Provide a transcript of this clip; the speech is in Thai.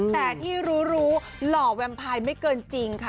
แต่ที่รู้หล่อแวมพายไม่เกินจริงค่ะ